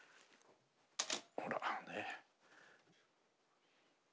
ほらね。